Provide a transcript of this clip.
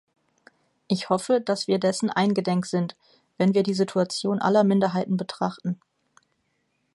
Ich hoffe, dass wir dessen eingedenk sind, wenn wir die Situation aller Minderheiten betrachten.